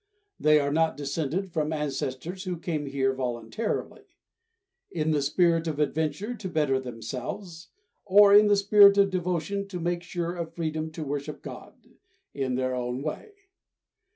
They are not descended from ancestors who came here voluntarily, in the spirit of adventure to better themselves or in the spirit of devotion to make sure of freedom to worship God in their own way.